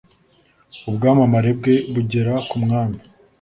ubwamamare bwe bugera ku mwami